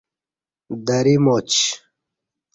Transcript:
دَری ماچ